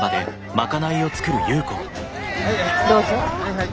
どうぞ。